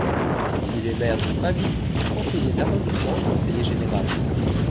Il est maire de Pavilly, conseiller d'arrondissement et conseiller général.